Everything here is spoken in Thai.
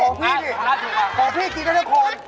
ขอบพี่ดิขอบพี่กินได้เราก่อน